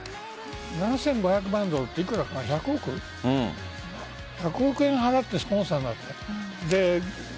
７５００万ドルって１００億１００億円払ってスポンサーになった。